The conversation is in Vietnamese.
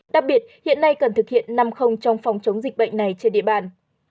đặc biệt hiện nay cần thực hiện năm trong phòng chống dịch bệnh này trên địa bàn